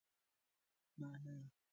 مانا